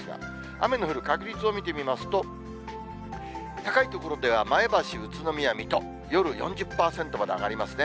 雨の降る確率を見てみますと、高い所では、前橋、宇都宮、水戸、夜４０％まで上がりますね。